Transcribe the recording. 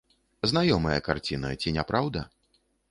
Знаёмая карціна, ці не праўда?